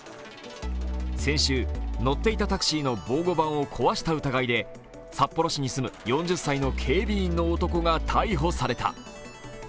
先週、乗っていたタクシーの防護板を壊した疑いで４０歳の警備員の男が逮捕されました。